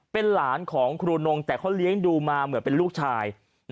เป็นหลานของครูนงแต่เขาเลี้ยงดูมาเหมือนเป็นลูกชาย